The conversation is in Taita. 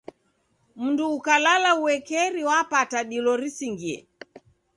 Mndu ukalala uekeri wapata dilo risingie.